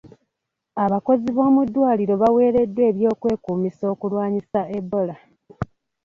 Abakozi b'omu ddwaliro baweereddwa eby'okwekumisa okulwanyisa Ebola.